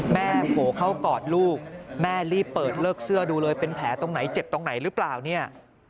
โหเข้ากอดลูกแม่รีบเปิดเลิกเสื้อดูเลยเป็นแผลตรงไหนเจ็บตรงไหนหรือเปล่าเนี่ย